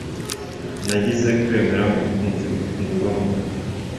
Nagize kwemerera umukunzi urukundo rwamagambo